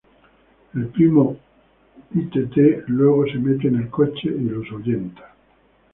El Primo Itt luego se mete en el coche y los ahuyenta.